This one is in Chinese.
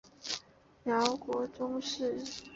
辽国宗室。